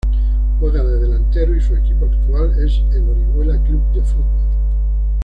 Juega de delantero y su equipo actual es el Orihuela Club de Fútbol.